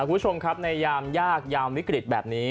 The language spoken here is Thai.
คุณผู้ชมครับในยามยากยามวิกฤตแบบนี้